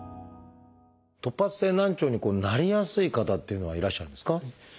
突発性難聴になりやすい方っていうのはいらっしゃるんですか？